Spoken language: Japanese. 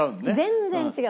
全然違う。